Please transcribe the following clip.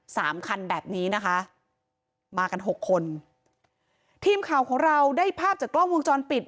สามคันแบบนี้นะคะมากันหกคนทีมข่าวของเราได้ภาพจากกล้องวงจรปิด